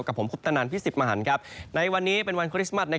กับผมพุทธนันทร์พี่สิบมหัลในวันนี้เป็นวันคริสต์มัด